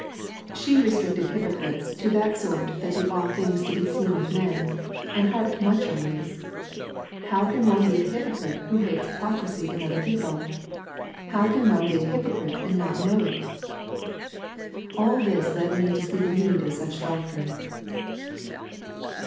She restricted hypocrites to that sort that do all things to be seen of men, and harped much on this how can one be a hypocrite who hates hypocrisy in other people? how can one be a hypocrite and not know it? All this led me to see the need of such doctrine.'